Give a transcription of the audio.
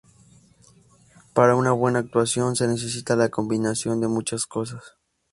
Para una buena actuación se necesita la combinación de muchas cosas.